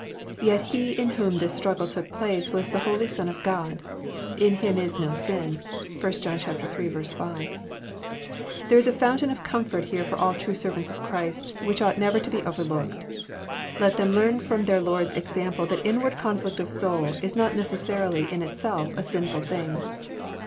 Yet He in whom this struggle took place was the Holy Son of God. *' In Him is no sin." (1 John iii. 5.) There is a fountain of comfort here for all true servants of Christ, which ought never to be overlooked. Let them learn from their Lord's example that inward conflict of soul is not necessarily in itself a sinful thing.